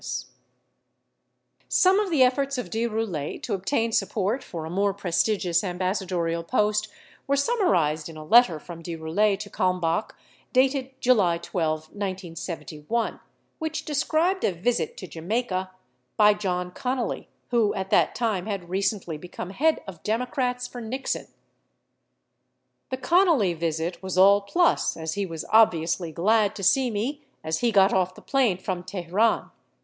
[Emphasis in original.] 503 Some of the efforts of De Roulet to obtain support for a more prestigious ambassadorial post were summarized in a letter from De Roulet to Kalmbach, dated July 12, 1971, which described a visit to Jamaica by John Connally, who, at that time, had recently become head of Democrats for Nixon : The Connally visit was all plus as he was obviously glad to see me as he got off the plane from Tehran.